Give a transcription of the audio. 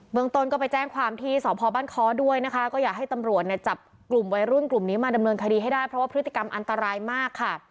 เมืองต้นก็ไปแจ้งความที่สพบ้านค้อด้วยนะคะก็อยากให้ตำรวจเนี่ยจับกลุ่มวัยรุ่นกลุ่มนี้มาดำเนินคดีให้ได้เพราะว่าพฤติกรรมอันตรายมากค่ะ